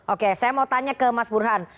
oke saya mau tanya ke mas burhan